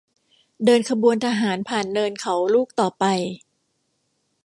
เดินขบวนทหารผ่านเนินเขาลูกต่อไป